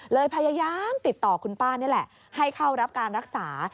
พยายามติดต่อคุณป้านี่แหละให้เข้ารับการรักษา